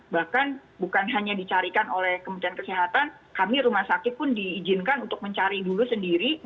bahkan bukan hanya dicarikan oleh kementerian kesehatan kami rumah sakit pun diizinkan untuk mencari dulu sendiri